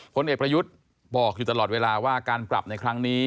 ผลเอกประยุทธ์บอกอยู่ตลอดเวลาว่าการปรับในครั้งนี้